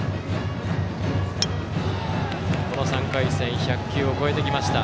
この３回戦、１００球を超えてきました。